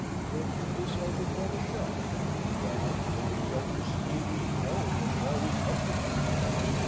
When did this elder brother show? Why, when the younger's scheme was blown, and all was up with him!